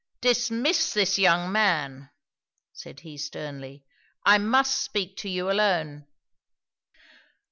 'Dismiss this young man,' said he sternly. 'I must speak to you alone.'